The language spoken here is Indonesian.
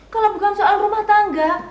kalau bukan soal rumah tangga